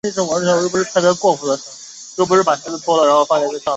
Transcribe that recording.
本站没有巴士停靠。